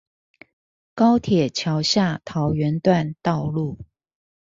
高鐵橋下桃園段道路